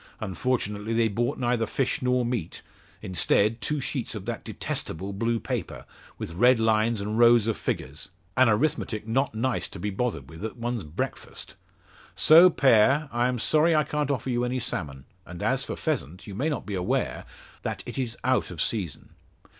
Unfortunately, they brought neither fish nor meat; instead, two sheets of that detestable blue paper, with red lines and rows of figures an arithmetic not nice to be bothered with at one's breakfast. So, Pere; I am sorry I can't offer you any salmon; and as for pheasant you may not be aware, that it is out of season."